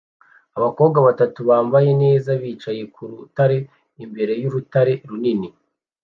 Abakobwa batatu bambaye neza bicaye ku rutare imbere y'urutare runini